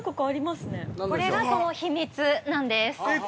◆これがその秘密なんです。